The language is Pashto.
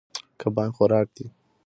کبان خوراک دي.